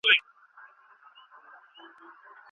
خیرات بې وزلو ته نه درېږي.